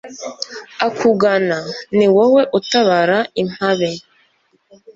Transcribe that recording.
akugana, ni wowe utabara impabe